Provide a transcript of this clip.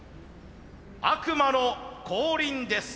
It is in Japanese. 悪魔の降臨です！